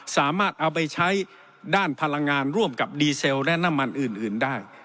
สามารถเอาไปใช้ด้านพลังงานร่วมกับดีเซลและน้ำมันอื่นได้